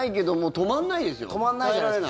止まんないじゃないですか。